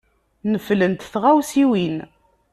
Neflent tɣawsiwin.